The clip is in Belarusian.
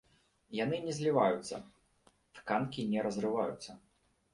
Яны не зліваюцца, тканкі не разрываюцца.